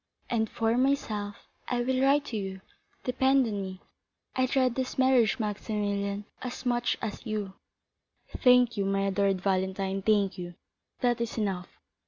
"And for myself—I will write to you, depend on me. I dread this marriage, Maximilian, as much as you." "Thank you, my adored Valentine, thank you; that is enough.